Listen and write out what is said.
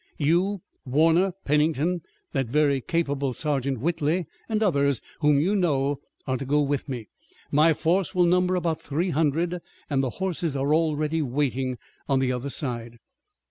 You, Warner, Pennington, that very capable sergeant, Whitley, and others whom you know are to go with me. My force will number about three hundred and the horses are already waiting on the other side."